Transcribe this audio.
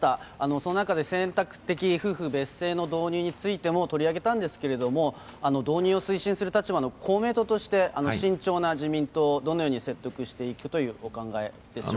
その中で、選択的夫婦別姓の導入についても取り上げたんですけれども、導入を推進する立場の公明党として、慎重な自民党、どのように説得していくというお考えでしょうか。